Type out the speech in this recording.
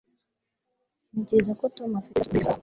ntekereza ko tom afite ibibazo bikomeye byamafaranga